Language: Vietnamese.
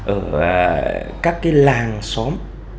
ở các cái làng xóm